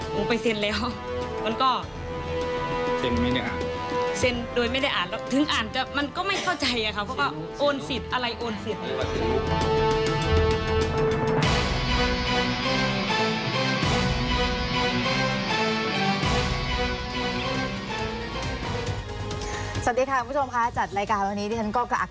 หนูไปเซ็นแล้วมันก็